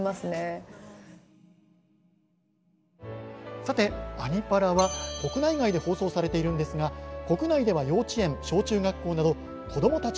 さて「アニ×パラ」は国内外で放送されているんですが国内では幼稚園、小中学校など子どもたちの教育に。